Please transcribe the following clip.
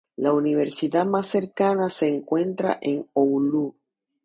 La universidad más cercana se encuentra en Oulu.